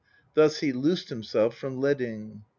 Thus he loosed himself from Laeding.